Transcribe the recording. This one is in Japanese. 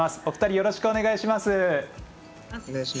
お二人、よろしくお願いします。